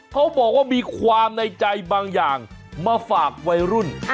เขาบอกว่ามีความในใจบางอย่างมาฝากวัยรุ่น